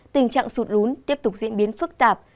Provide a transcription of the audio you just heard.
tình trạng sụt lún tiếp tục diễn biến phức tạp